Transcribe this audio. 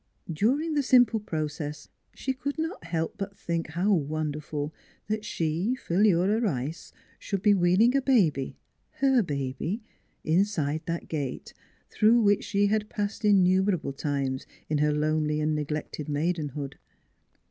... During the simple process she could not help but think how wonderful that she Philura' Rice should be wheeling a baby, her baby, inside that gate, through which she had passed innumerable times in her lonely and neglected maidenhood.